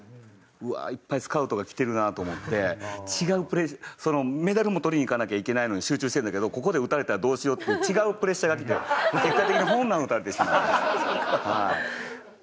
「うわあいっぱいスカウトが来てるな」と思って違うメダルも取りにいかなきゃいけないのに集中してるんだけどここで打たれたらどうしようっていう違うプレッシャーがきて結果的にホームラン打たれてしまうんです。